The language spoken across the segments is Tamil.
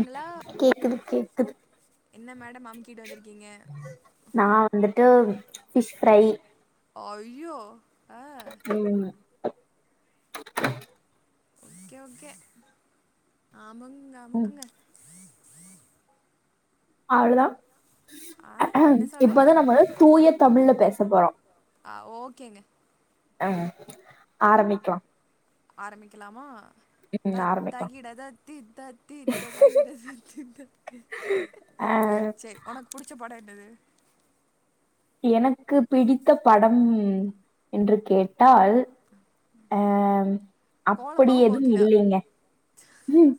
ங்களா கேக்குது கேக்குது என்ன மேடம் அமுக்கிட்டு வந்திருக்கீங்க நா வந்து ம் பிஷ் ஃப்ரை அய்யோ உம் [unintelligible] ஓகே ஓகே ஆமங்க ம் அமுக்குங்க அமுக்குங்க அவ்ளோதா ஆ என்ன சொன்ன இப்பதா நம்ம வந்து தூய தமிழ்ல பேச போறோ ஆ ஓகேங்க ஆ ஆரம்பிக்கலா ஆரம்பிக்கலாமா ம் தகி ஆரம்பிக்கலா தகிட தத்தி த தீத்த தகிட தத்திம் இ ஆ ம் எனக்கு பிடித்த படம் என்று கேட் ஆ அல் ஆ அப்டி கோலமாவு எதும் கோகிலா இல்லைங்க உம்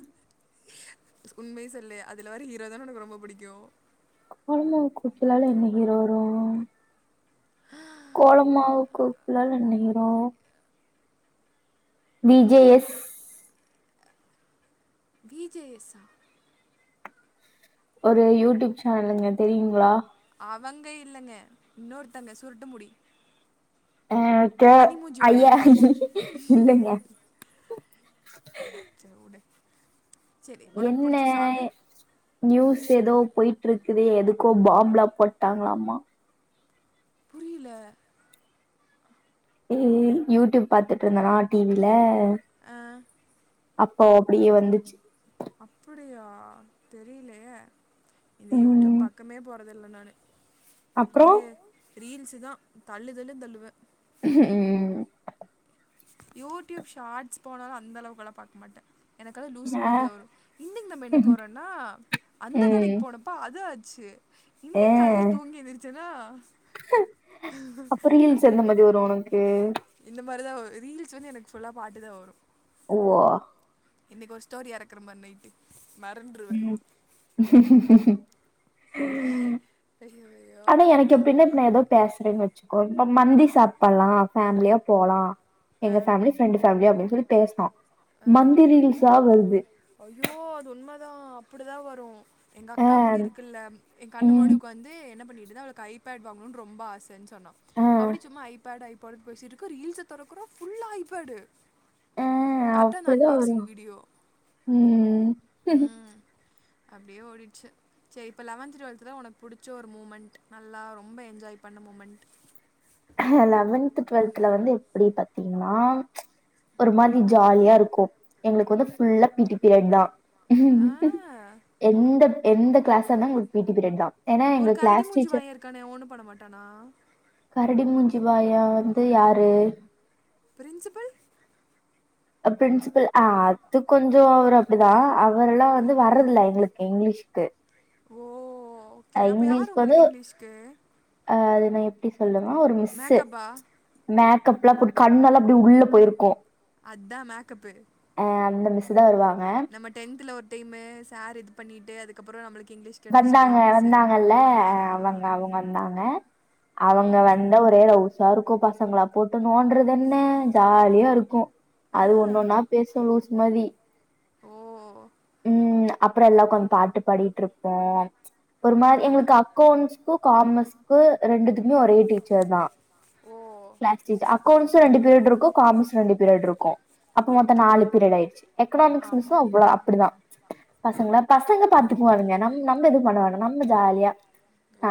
உண்ம சொல்லு அதுல வர ஹீரோ தான உனக்கு ரொம்ப புடிக்கு கோலமாவுகோக்கிலால என்ன ஹீரோ வரு கோலமாவு கோக்கிலால என்ன வரு V J S V J S சா ஒரு யூடியூப் சேனலுங்க தெரியுங்ளா அவங்க இல்லங்க இன்னோருத்தங்க சுருட்ட முடி ஆ கே பனிமூஞ்சி ஐயா வாயன் இல்லங்யா செரி ஒனக்கு என்ன புடிச்ச சாங்கு நியூஸ் ஏதோ போயிட்டு இருக்குது எதுக்கோ பாம் பிலாக் பண்ட்டாங்களாமா புரியல ம் யூடியூப் பாத்துட்டு இருந்தேனா டி வில ஆ அப்போ அப்டியே வந்துச்சு அப்படியா தெரியலையே இந்த யூடியூப் உம், பக்கமே போற இல்ல நானு அப்புறம் உக்காந்து ரீல்ஸு தா தள்ளு தள்ளு தள்ளுவே உம் யூடியூப் ஷார்ட்ஸ் போனாலு அந்த அளவுக்கல பாக்க மாட்டே எனக்காது லூசு ஆ, மாதிரி தா வரு இன்னைக்கு நம்ம என்ன போறோம்னா அந்த உம், கடைக்கு போனப்போ அது சேரி ஆ. இன்னைக் காலேல தூங்கி எந்துருச்சேன்னா அப்ப ரீல்ஸ் அத எந்த மாதிரி வரும் உனக்கு இந்த மாரிதா வரு ரீல்ஸ் வந்து எனக்கு ஃபுல்லா பாட்டு தா வரு ஓ ஆ இன்னைக்கு ஒரு ஸ்டோரி எறக்குறம்பாரு நைட்டு மறந்துடுவேன் உம் உம் ஐயோ ஐயோ ஆனா எனக்கு நீ எப்டின்னா இப்ப நா ஏதோ பேசுறேன்னு வச்சுக்கோ இப்ப மந்தி சாப்டலா ஃபேமிலியா போலா எங்க ஃபேமிலி பிரண்ட்டு ஃபேமிலி அப்பின்னு சொல்லி பேசினோ அ ஐயோ அது உண்ம தா இப்டிதா வரு எங்க ஆ அக்கா குடி இருக்குல்ல எ கண்ணு ம் முன்னாடி ஒக்காந்து என்ன பண்ணி எப்டினா அவளுக்கு ஐபேட் வாங்கனுன் ரொம்ப ஆஸ் ப்பென் சொன்னா ஆ அப்புடி சும்மா ஐபேடு ஐ படுத்து பேசிட்டு இருக்கோ ரீல்ஸ தொறக்குறோ ஃபுல்லா ஐபேடு ஆ கரெக்டாக அந்த அப்டிதா அன்பாக்சிங் வருமா வீடியோ ம் அப்டியே ஓடிடுச்சு சேரி இப்ப லெவன்த்து டுவெல்த்துல உனக் புடுச்ச ஒரு மூமெண்ட் நல்லா ரொம்ப என்ஜாய் பண்ண மூமெண்ட் லெவன்த்து டுவெல்த்துல வந்து எப்டி பாத்தீங்கன்னா ஒரு மாதிரி ஜாலியா இருக்கு எங்களுக்கு வந்து ஃபுல்லா பீட்டி பீரியட்தா ஆ எந்த எந்த கிளாஸ் இருந்தா எங்களுக்கு பீட்டி பீரியட்தா ஒரு கரடி மூஞ்சி வாய இருக்கானே ஒண்ணு பண்ண மாட்டானா கரடி மூஞ்சி வாயா வந்து யாரு பிரின்சிபல் அ பிரின்சிபல் ஆ அத்துப் கொஞ்சோ அவர் அப்டிதா அவரெல்லா வந்து வர்றதில்ல எங்களுக் க்கு இங்கிலீஷ்கு ஓ ஓகே அப்ப யாரு வந்து உங்களுக்கு இங்கிலீஷ்கு அ அது நா எப்டிஸ் சொல்லுவா ஒரு மிஸ்ஸு மேக் மேக்கப்புலா போட்டு கண்ணல்லா அப்டியே உள்ள போயிருக்கு அதா மேக்கப்பு அ அந்த மிஸ்ஸுதா வருவா நம்ம டென்த்துல ஒரு டைமு சார் இதுப் பண்ணிட்டு அதுக்கப்புறோ நம்பளுக் வந்தாங்க வந்தாங்கல்ல ஆ அவங்க அவங்க வந்தாங்க அவங்க ம் வந்த ஒரே ரவுஸ் சாருக்கு பசங்களா போட் ட்டு நோன்றது என்ன ஜால் லியா இருக்கு அது ஆ ஒன்னொன்னா பேசு லூஸ் மாரி ஓ ம் அப்புறோ எல்லா உக்கோந் பாட்டு பாடிட்ருப்போம் ஒரு மார் ஆ எங்களுக்கு அக்கோண்ட்ஸ்கு காமஸ்க்கு ரெண்டுத்துக்குமே ஒரே டீச்சர் தா ஓ கிளாஸ் டீச்சர் அக்கோண்ட்ஸ்ஸு ரெண்டு பீரியட் இருக் க்கு காமஸ் ரெண்டி பீரியட் இருக்கு அப்ப மத்த ஓகே நாலு பீரியடு ஆயிருச்சு எக்கனாமிக்ஸ் ஆமா மிஸ்சு அவுங்கதா தா பசங்கள பசங்க பாத்துக்குவானுங்க நம் நம்ம எதும் பண்ணவேனா நம்ம ஜாலியா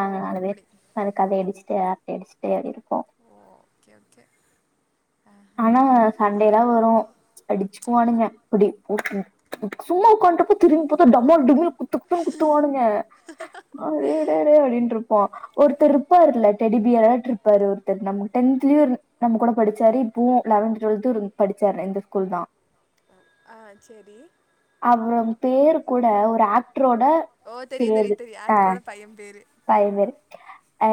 ஓ நாலு பேர் அப்படி நல்லா கதை அடுச்சுட்டு அரட்டை அடுச்சுட்டே அப்டியே இருப் போ ஓ ஓகே ஓகே ஆஹா ஆனா சண்டை எல்லா வரு அடுச்சுக்குவானுங்க அப்புடி ம்க்ம் ம் சும்மா உக்கான்ட்டுப்போ திரும்பி பாத்தா டம்மால் டும்மில் குத்து குத்துன்னு குத்துவானுங்க அடே டே டேய்னு அப்டின்ட்ருப் போ ஒருத்தர் இருப்பாரு இல்ல டெடிபியராட்ட இருப்பார் ஒருத்தர் நமக் டென்தலியுன் நம்ம கூட படுச்சாரு இப்பவு லெவன்த்து டுவெல்து இருந் படுச்சாரு இந்த ஸ்கூல் தா அ ஆ சேரி அவம் பேரு கூட ஒரு ஏக் ட்ரோட ஓ தெரியு தெரியு பேரு தெரியு ஆ ஆக்டரோட பைய பேரு அது மாரி அ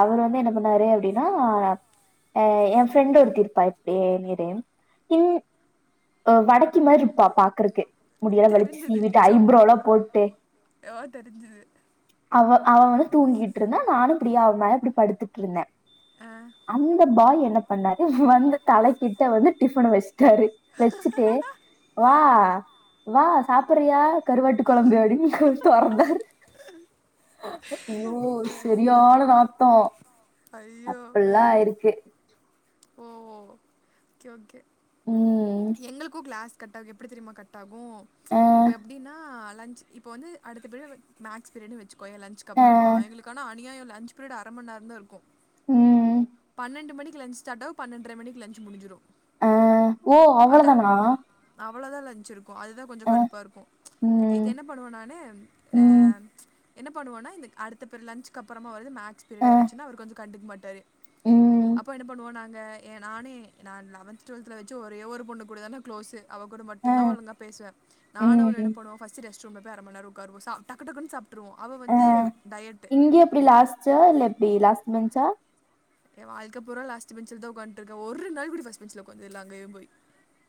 அவரு வந்து என்ன பண்ணாரு அப்டின்னா அ எம் ஃப்ரெண்டு ஒருத்தி இருப்பா இப்டியே நிறேம் இந்த அ வடக்கி மாரி இப்பா பாக்குறக்கே முடி எல்லா வலுச்சு தெரிஞ்சது சீவிட்டு சொ ஐப்ரோல்லா போட்டு ஓ தெரிஞ்சது அவ அவ வந்து தூங்கிட்டு இருந்தா நானும் அப்டியே அவ மேல இப்டி படுத்துட்டு இருந்த ஆ அந்த பாய் என் என்ன பண்ணாரு வந்து தலை கிட்ட வந்து டிஃபன்ன வெஸ் ட்டாரு வெச்சுட்டு வா வா சாப்புறியா கருவாட்டு கொழம்பு அப்டின் தொ தொறந்தாறு ஐயோ செரியான நாத்தோ ஐயோ ஆ அப்டிலா இருக்கு ஓ ஓ ஓகே ஓகே ம் எங்களுக்கு கிளாஸ் கட் ஆகு எப்புடி தெரியுமா கட் ஆகு கு ஆ இப்ப எப்டின்னா லன்ச்சு இப்ப வந்து அடுத்த பீரியட் மேக்ஸ் பீரியடுனு வெச்சுப் கோயே லன்சுக் ஆ அப்புறமா எங்களுக்கு ஆனா அநியாயோல லன்ச் பீரியடு அர மண் நேரந்தா இருக்கு ம் பன்னெண்டு மணிக்கு லன்ச் ஸ்டாட் ஆகு பன்னெண்டர மணிக்கு லன்ச் முடுஞ்சுரு அ ஓ அவ்வளோதானா அவ்வளோதா லஞ்ச் இருக் க்கு அதுதா கொஞ்ச கடுப்பா இருக்கு இது ம் என்ன பண்ணுவே நானு ஆ ம் என்ன பண்ணுவோன்னா இந்த அடுத்த பிர் லன்ச்க்கு அப்புறமா வரது மே க்ஸ் ஆ பீரியடா இருந்துச்சுன்னா அவரு கொஞ்ச கண்டுக்க மாட் டாரு ம் அப்போ என்ன பண்ணுவோ நா ங்க ஏ நானு நா லெவன்த் டுவெல்த்துல வச்சு ஒரே ஒரு பொண்ணுகூடதா நா க்ளோஸு அவ கூட ஆ மட்டு்ந்தா ஒழுங்கா பேசுவே நானு அவளு என்ன ம் பண்ணுவோ ஃபஸ்ட்டு ரெஸ்ட் ரூமுல போயி அர மணி நேரோ உக்காருவோ சா டக்கு டக்குனு சா ஆ இங்க எப்டி லாஸ்ட்டா இல்ல எப்டி லாஸ்ட் பெஞ்சா ஏன் வாழ்க்க பூரா லாஸ்ட் பெஞ்சுலதா உக்காந்ட்ருக்கே ஒரு நாள் கூட ஃபஸ்ட் பெஞ்சுல உக்காந்தது இல்ல அங்கயும் போயி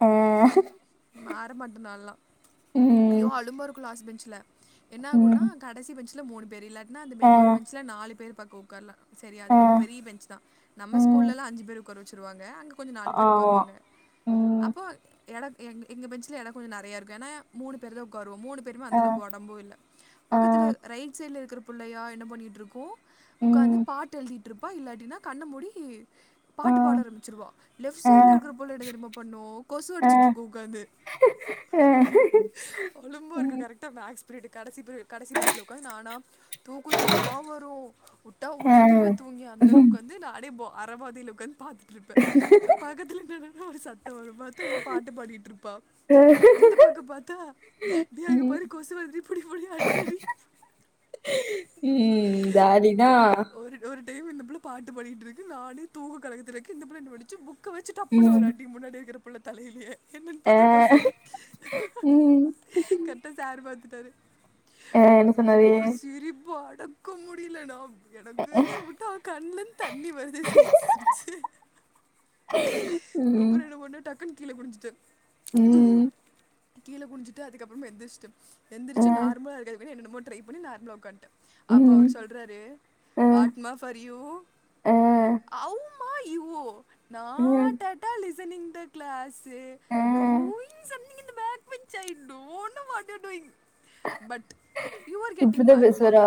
ஆ மாற மாட்ட நால்லா ஐயோ ம் அழும்பா இருக்கு லாஸ்ட் பெஞ் ச்ல என்ன ஆகுன்னா ம் கடைசி பெஞ்ச் ல மூணு பேர் இல்லாட் டினா அந்த ஆ பெஞ் ஒரு பெஞ்ச்ல நாலு பேர் பக் உக்கார்லா சரி அது ஆ கொஞ்ச பெரிய பெஞ்ச்தா நம்ம ம் ஸ்கூல்ல எல்லா அஞ்சு பேரு உக்கார வச்சிருவாங்க அங்க கொஞ்ச நாலு பேரு ஆமா உக்காருவாங்க ம் அப்போ எடோ எங் எங்க பெஞ்ச்ல எடோ கொஞ்ச நெறைய இருக்கு ஏன்னா மூணு பேர்தா உக்கா ருவோ மூணு பேருமே அந்த ஆ அளவுக்கு ஒடம்பு இல்ல ஆ பக்கத்துல ரைட் சைடுல இருக்கற புள்ளையா என்ன பண்ணிட்ருக்கு உக்காந்து ம் பாட்டு எழுதிட் ருப்பா இல்லாட்டின்னா கண்ண மூடி ஆ பாட்டு பாட ஆரம்பிச்சிருவா லெஃப்ட் ஆ சைடுல இருக்கற புள்ள என்ன தெரியுமா பண்ணு கொசு ஆ ஆ அடிச்சிட்ருக்கு து அலும்பா இருக்கு ம் கரெக்டா மே க்ஸ் பீரியடு கடைசி பீரியட் கடைசி பெஞ்சுல உக்காந்து நானா தூக்க தூக்கமா வரு உட்டா உழுந்துருவே தூங்கியே அந்த அளவுக்கு வந்து நானே பா அரபோதில உக்காந் பாத்துட்டு இருப்பே ஆ போய் பக்கத்துல நின்ன சத் சத்த வரு பாத்தா இவ பாட்டுபாடி ப்பா இந்த பக்கம் பாத்தா நீ அங்க ம், பாரு கொசு வருது இப்பிடி புடி அடி அடி ம், ஜாலிதான் ஒரு ஒரு டைம் இந்தபுல பாட்டு பாடிட்டு இருக்கு நானு தூக்க கலகத்துல இருக்கு இந்த புள்ள என்ன பண்ணிச்சி புக் புக்க வச்சி டப்புனு ஒரு ம், அடி முன்னாடி இருக்கிற புள்ள தலையிலே என்னனு ஆ, பாத்தா கொசு ம், கட்ட சாரு பாத்து ட்டாரு ஆ, என்ன ஐயோ சொன்னது சிரிப்பு அட தக்க முடியல நா எனக்கு விட்டா கண்லந்து தண்ணி வருது சிரிச்சி சிரிச்சி அப்புறோ ம், என்ன பண்ண டக் கன் கீழ குனிஞ்சிட்டு ம் கீழ குனிஞ்சுட்டு அதுக்கப்பறமா எந்திரிச்சிட்டு ஆ, எந்திரச்சி நார்மலா இருக்கரமாரி என்னென்னமோ ட்ரை பண்ணி நார்மலா ஒக்கான்ட்ட அப்ப ம், அவரு சொல்றாரு ஆ, வாட் மா ஃபார் யு ஆ, அவ் ம்மா இவ்வோ நா ம், டட்டாலிஸ் செ நிங்ட கிளாஸ்சு ஆ. டூ்யூ சன் நீ bad man sign don't know what you doing but you are getting இப்படிதான் மார்க்குமா பேசுவாரா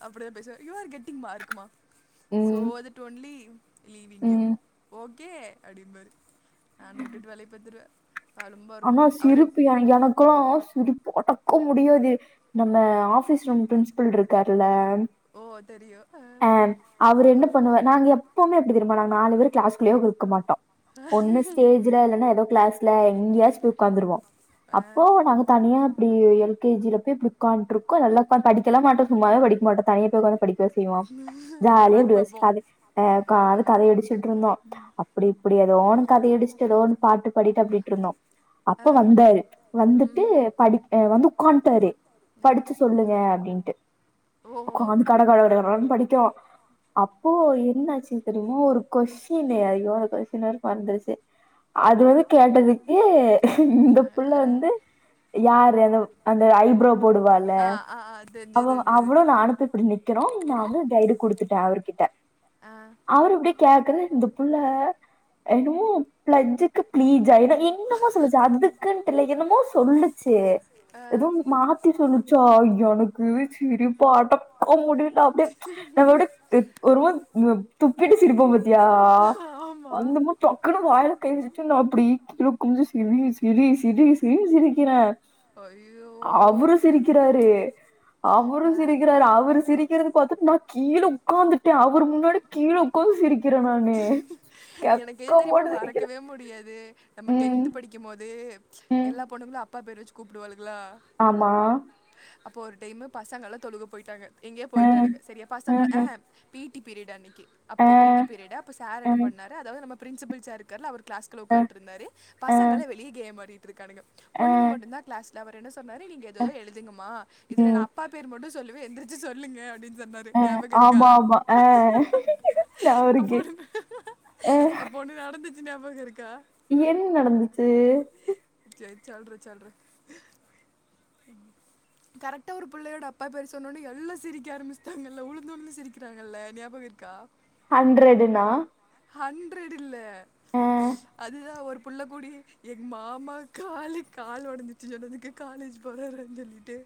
அப் இப்பிடிதா பேசுவாரு யூ ஆர் கெட்டிங் மார்க்குமா சோ ம், தட் ஒன்லி லீவிங் யூ ம். ஓக் கே அப்டிம்பாரு ஆஹ நூட்டு க ஆனா சிரிப்பு எனக்கும் சிரிப் அடக் க்க முடியாது நம்ம ஆஃபிஸ் ரூம் பிரின்ஸ்பல் இருக்கார்ல ஓ தெரியும் ஆ, அஹ் அவரு என்ன பண்ணுவ நாங்க எப்பவுமே எப்டி தெரிமா நாங்க நாலு பேரு கிளாஸ்குள்ளயே இருக்க மாட்ட ஒன்னு ஸ்டேஜ்ல இல்லனா ஏதோ கிளாஸ்ல என்னைக்காது ஒக்காந்துருவோம் ஆ, அப்போ நாங்க தனியா அப்டி எல கே ஜில போய் இப்டி ஒக்கான்றுக்கோ நல்லாதா படி கெலா மாட்டோம் சும்மாவே படிக்க மாட்டோம் தனிய போய்தானே படிக்கவே செய்வோம் பராக் ஜாலியாஇப்படி பாபோ வச்சுடு கதை அடிச்சி ட்டுருந்தோம் அப்டி அப்டியாதோனு கத அடிச்சுட்டு எதோனு பாட்டு பாடிட்டு அப்டிருந்தோம் அப்ப ஆ, வந்தாரு வந்துட்டு ம், படி வந்து ஒக்காந்துட்டாரு ஆ, படிச்சு சொல்லுங்க அப்டின்டு ஓ உக்காந் கட கட கட கடனு படிக்குரோம் அப்போ என்னாச்சு தெரிமா ஒரு கொஸ்டினு அய்யோ அந்த கொஸ்டின் வேற மரந்துருச்சு அது வந்து கேட்டதுக் எ இந்த ஆ, புள்ள வந்து யார் அந்த ஐப்ரோ போடுவால ஆ ஆ ஆ தெரிஞ்சது அவ தெரிஞ்சது அவ்ளவு நான் அனுப்ப இப்படி நிக்கிறோம் நான் வந்து கைடு குடுத்துட்டேன் அவரு கிட்ட ஆ அவர் இப்படி கேக்குற இந்த புள்ள எனனமோ ப்ளட்ஜுக்கு ப்ளீஜ் ஆன இன்னமோ சொல்லுச்சு அதுக்குன்னு இல்லை என்னமோ சொல்லுச்சு ஆ, சே எதுவும் மாத்தி சொல்லிச்சா எனக்கு சிரிப்பு அடக்க முடியல அப்படிய எங்களோட ஒருவ கட்டு சிரிப்போம் பத்தியா ஆமா அந்த மா பக்குன்ன வாயல கை வச்சட்டு அப்படி கொஞ்சம் சி சிரி சிரி சிரி சிரினு சிரிக்குறேன் ஐயோ அவரும் சிரிக்கிறாரு அவரும் ஆ, சிரிக்கிறாரு அவர் சிரிக்கிறது பார்த்த நா கீழே உட்காந்துட்டு அவர் முன்னாடி கீழே உட்காந்து சிரி எனக்கு ஏது தெரியுமா சிரிக்கிறே மறக்கவே முடியாது நம்ம ம் டென்த் படிக்கும்போது ம் எல்லா பொண்ணுங்களும் அப்பா பேர் வச்சு கூப்பிடுவாளுங்க ஆமா அப்போ ஒரு டைமு பசங்கல்லா தொழுக போயிட்டாங்க எங்கயோ அ, போயிட்டானுங்க சரியா அ, பசங்கல்லா ஆஹா பி டி பீரியடு அன்னக்கி அ, அப்போ பி டி பீரியடா அப்போ சார் அ, என்ன அ, பண்ணாரு அதாவது நம்ம பிரின்சிபில் சார் இருக்கார்ல அவரு கிளாஸ்க்குள்ள உக்காண்ட்ருந்தாரு அ, பசங்கல்லா வெளிய கேம் ஆடிட் ருக்கானுக அ, பொண்ணுங்க மட்டும்தா கிளாஸ் ல அவரு என்ன சொன்னாரு நீங்க அ, எதேதோ எழுதுங்கம்மா இதுல நா ம். அப்பா பேர் மட்டு சொல்லு வ எந்திரிச்சு சொல்லுங்க அப்டின்னு சொன்னாரு அ, ஞாபகோ இருக்கா ஆமா, ஆமா. அ ஞாபகம் அப்ப இருக்கு. ஒண்ணு அ அப்ப ஒண்ணு நடந்து ச்சு ஞாபகோ இரு என்ன நடந்துச்சு? சொல்ற சொல்ற ம் கரெக்டா ஒரு புள்ளையோட அப்பா பேரு சொன்னவுடனே எல்லா சிரிக்க ஆரம்பிச்சுட்டாங்கல்ல உழுந்து உழுந்து சிரிக்கிறாங்கல்ல ஞாபகோ இருக்கா ஹண்ட்ரடுனா ஹண்ட்ரடு இல்ல அதுதா ஒரு புள்ள கூடி எங் மாமா காலு காலு ஒடஞ்சிருச்சுனு சொன்னதுக்கு காலேஜ் போறாரான்னு சொல்லிட்டு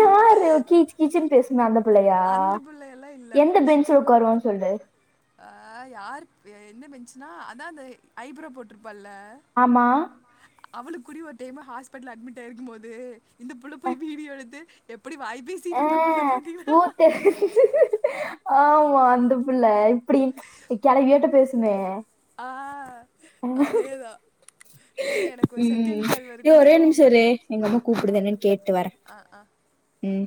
யாரு யாரு கீச் கீச்சுனு பேசுமே அந்த புள்ளையா அந்த பிள்ளை எல்லாம் எந்த பெஞ்ச்ல உக்காருன்னு சொல்லு ஆ யாரு எ எந்த பெஞ்சுன்னா அதா அந்த ஐ ப்ரோ போட்ரு ஆமா அவுளுக் கூடியு ஒரு டைமு ஹாஸ்பிட்டல்ல அட்மிட் ஆயிருக்கும் போது இந்த புள்ள போய் வீடியோ எடுத்து அப்படி வாய் பேசிட்டு அ இருந்த புள்ள பாத்தீன்னா ஓ ஓ அந்த புள்ள இப்பிடி எ கெழவியாட்டோ பேசுமே ஆ ம் அதேதான் ஏ எனக்கு ஒரு செகண்ட் கால் ஏ வருது ஒரே நான் நிமிஷோ இரு கூப்பிடுறேன் எங்க அம்மா கூப்புடுது என்னன்னு கேட்டு வரே ஆ ஆ ம்